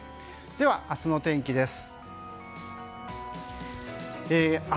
では明日の天気です。